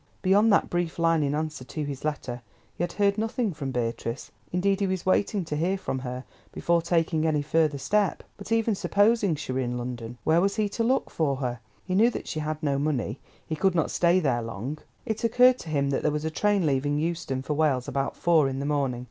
Beyond that brief line in answer to his letter, he had heard nothing from Beatrice. Indeed he was waiting to hear from her before taking any further step. But even supposing she were in London, where was he to look for her? He knew that she had no money, she could not stay there long. It occurred to him there was a train leaving Euston for Wales about four in the morning.